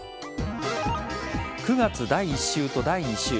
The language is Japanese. ９月第１週と第２週。